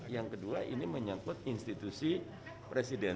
yang kedua ini menyangkut institusi presiden